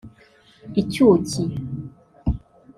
’Icyuki’